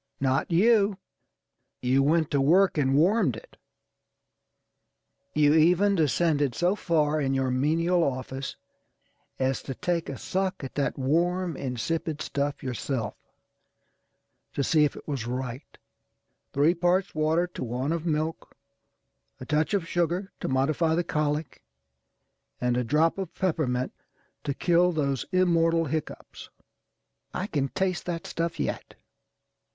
Not you. You went to work and warmed it. You even descended so far in your menial office as to take a suck at that warm, insipid stuff yourself, to see if it was rightâ€"three parts water to one of milk, a touch of sugar to modify the colic, and a drop of peppermint to kill those immortal hiccoughs. I can taste that stuff yet.